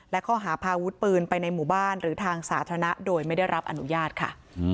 และข้อหาพาวุฒิปืนไปในหมู่บ้านหรือทางสาธารณะโดยไม่ได้รับอนุญาตค่ะ